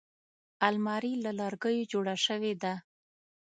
الماري له لرګیو جوړه شوې ده